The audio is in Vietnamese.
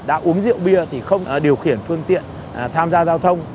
đã uống rượu bia thì không điều khiển phương tiện tham gia giao thông